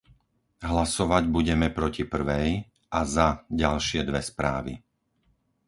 Hlasovať budeme proti prvej a za ďalšie dve správy.